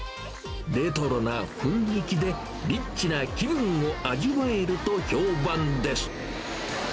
レトロな雰囲気で、リッチな気分を味わえると評判です。